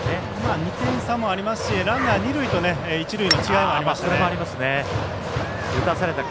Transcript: ２点差もありますしランナー、二塁と一塁の違いもありましたね。